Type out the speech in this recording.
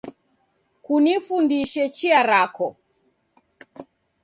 Kunifundishe chia rako